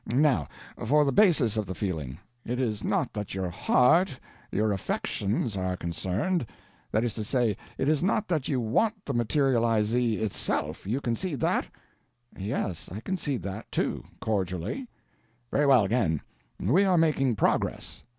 Now for the basis of the feeling. It is not that your heart, your affections are concerned; that is to say, it is not that you want the materializee Itself. You concede that?" "Yes, I concede that, too—cordially." "Very well, again; we are making progress.